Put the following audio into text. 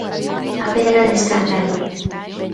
A pedra de escándalo.